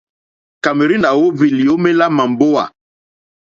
Cameroon à óhwì lyǒmélá màmbówà.